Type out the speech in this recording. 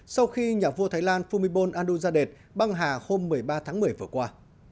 sau khi nhà vua thái lan phumibol andujadet băng hà hôm một mươi ba tháng một mươi vừa qua